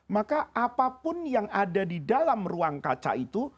maka apapun yang ada di dalam ruang kaca itu